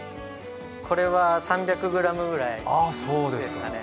これは３００ｇぐらいですかね。